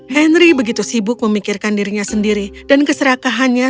henry begitu sibuk memikirkan dirinya sendiri dan keserakahannya